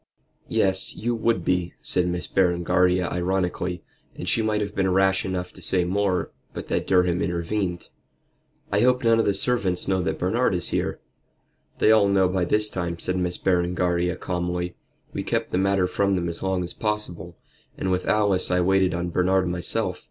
"Yes, you would be," said Miss Berengaria ironically, and she might have been rash enough to say more, but that Durham intervened. "I hope none of the servants know that Bernard is here?" "They all know by this time," said Miss Berengaria, calmly. "We kept the matter from them as long as possible; and with Alice I waited on Bernard myself.